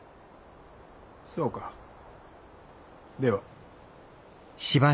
そうかでは。